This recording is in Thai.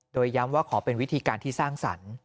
โดยย้ำว่าขอเป็นวิธีการที่สร้างสรรค์